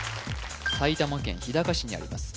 埼玉県日高市にあります